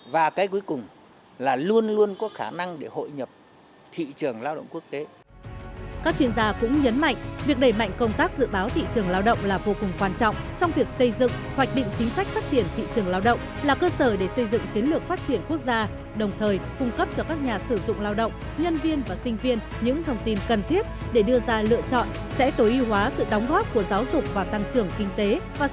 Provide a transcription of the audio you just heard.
và cái cuối cùng là luôn luôn có khả năng để hội nhập thị trường lao động quốc tế